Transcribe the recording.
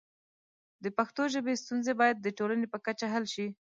د پښتو ژبې ستونزې باید د ټولنې په کچه حل شي.